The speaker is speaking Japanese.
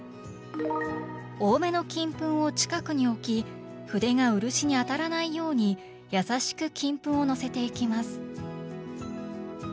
多めの金粉を近くに置き筆が漆に当たらないように優しく金粉をのせていきます。